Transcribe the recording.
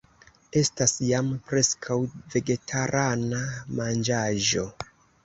Estas jam preskaŭ vegetarana manĝaĵo